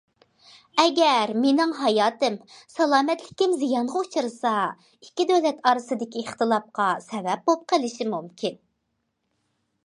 ئەگەر مېنىڭ ھاياتىم، سالامەتلىكىم زىيانغا ئۇچرىسا، ئىككى دۆلەت ئارىسىدىكى ئىختىلاپقا سەۋەب بولۇپ قېلىشى مۇمكىن.